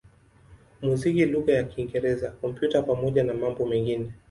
muziki lugha ya Kiingereza, Kompyuta pamoja na mambo mengine.